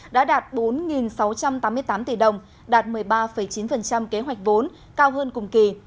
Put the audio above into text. đã đạt bốn sáu trăm tám mươi tám tỷ đồng đạt một mươi ba chín kế hoạch vốn cao hơn cùng kỳ